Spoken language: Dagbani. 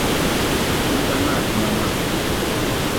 M-pa naai tuma maa.